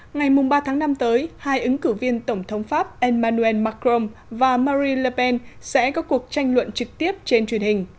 ngày ba tháng năm tới hai ứng cử viên tổng thống pháp emmanuel macron và marie lepen sẽ có cuộc tranh luận trực tiếp trên truyền hình